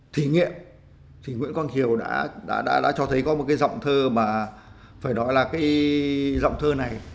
thí nghiệm thì nguyễn quang thiều đã cho thấy có một cái giọng thơ mà phải nói là cái giọng thơ này